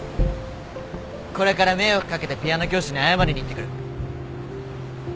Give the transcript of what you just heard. これから迷惑掛けたピアノ教室に謝りに行ってくる。